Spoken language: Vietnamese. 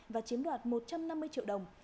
và chiếm đoạt một trăm năm mươi triệu đồng